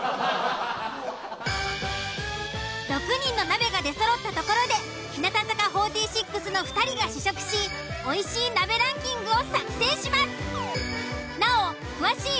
６人の鍋が出そろったところで日向坂４６の２人が試食しおいしい鍋ランキングを作成します。